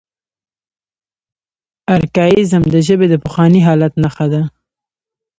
ارکائیزم د ژبې د پخواني حالت نخښه ده.